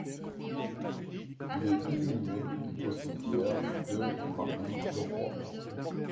Il est inhumé au cimetière de Marly le Roi.